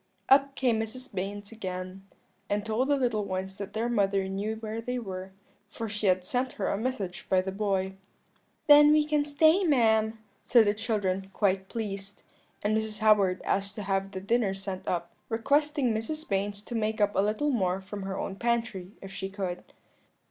"Up came Mrs. Baynes again, and told the little ones that their mother knew where they were, for she had sent her a message by the boy. "'Then we can stay, ma'am,' said the children, quite pleased: and Mrs. Howard asked to have the dinner sent up, requesting Mrs. Baynes to make up a little more from her own pantry, if she could.